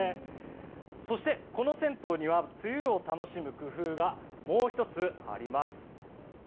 そして、この銭湯には梅雨を楽しむ工夫がもう１つあります。